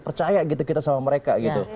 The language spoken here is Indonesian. percaya gitu kita sama mereka gitu